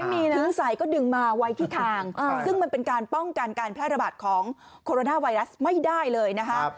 มีน้ำใสก็ดึงมาไว้ที่คางซึ่งมันเป็นการป้องกันการแพร่ระบาดของโคโรนาไวรัสไม่ได้เลยนะคะ